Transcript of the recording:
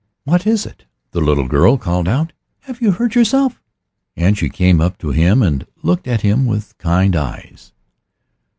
"What is it?" the little girl called out; "have you hurt yourself?" And she came up to him and looked at him with kind eyes.